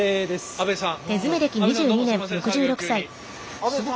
阿部さん